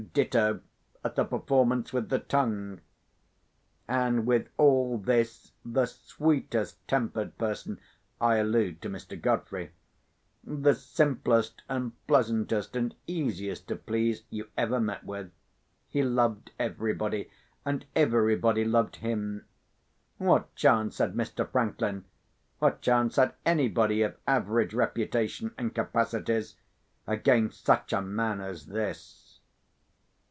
Ditto at the performance with the tongue. And with all this, the sweetest tempered person (I allude to Mr. Godfrey)—the simplest and pleasantest and easiest to please—you ever met with. He loved everybody. And everybody loved him. What chance had Mr. Franklin—what chance had anybody of average reputation and capacities—against such a man as this?